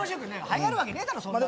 はやるわけねえだろそんな。